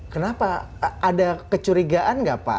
kenapa ada kecurigaan nggak pak